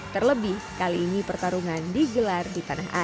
terlebih lagi eko roni juga menangkan pertempuran di pertempuran